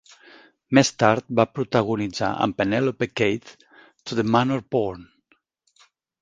Més tard va protagonitzar, amb Penelope Keith, "To the Manor Born".